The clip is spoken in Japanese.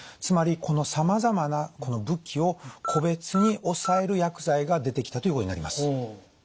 つまりこのさまざまな武器を個別に抑える薬剤が出てきたということになります。